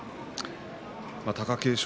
貴景勝